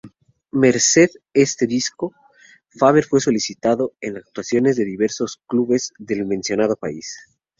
Merced este disco, Faber fue solicitado en actuaciones de diversos clubes del mencionado país.